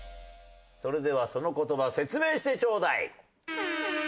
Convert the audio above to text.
それではその言葉説明してチョーダイ！